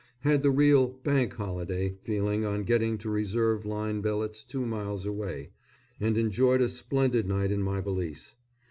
Had the real Bank Holiday feeling on getting to reserve line billets two miles away, and enjoyed a splendid night in my valise.